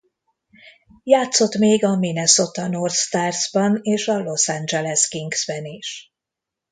Játszott még a Minnesota North Starsban és a Los Angeles Kingsben is.